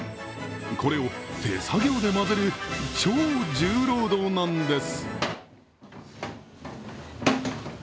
これを手作業で混ぜる、超重労働なんです。